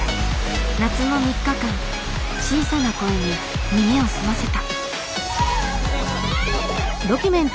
夏の３日間小さな声に耳を澄ませた。